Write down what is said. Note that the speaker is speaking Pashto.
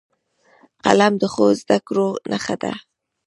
قلم د ښو زدهکړو نښه ده